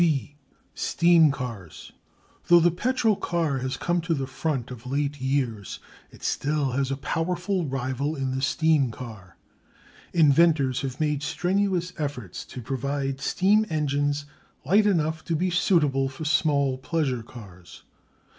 B. Steam Cars. Though the petrol car has come to the front of late years it still has a powerful rival in the steam car. Inventors have made strenuous efforts to provide steam engines light enough to be suitable for small pleasure cars.